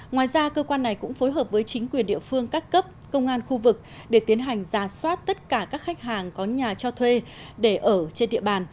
ngoài ra cơ quan này cũng phối hợp với chính quyền địa phương các cấp công an khu vực để tiến hành ra soát tất cả các khách hàng có nhà cho thuê để ở trên địa bàn